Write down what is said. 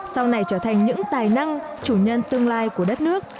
sau này trở thành những tài năng chủ nhân tương lai của đất nước